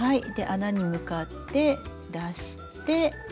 穴に向かって出して。